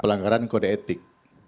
pelanggaran kode etik